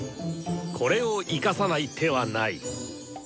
これを生かさない手はない！